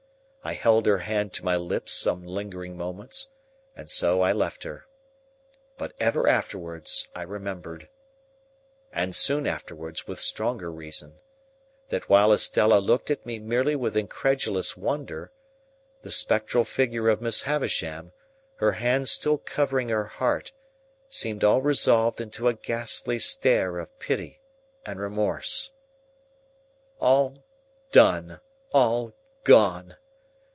I held her hand to my lips some lingering moments, and so I left her. But ever afterwards, I remembered,—and soon afterwards with stronger reason,—that while Estella looked at me merely with incredulous wonder, the spectral figure of Miss Havisham, her hand still covering her heart, seemed all resolved into a ghastly stare of pity and remorse. All done, all gone!